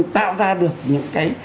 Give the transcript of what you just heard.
tạo ra được những cái